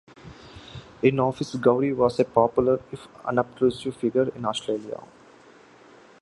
In office, Gowrie was a popular if unobtrusive figure in Australia.